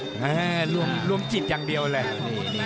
แห้ร์รวมจิตอย่างเดียวเลย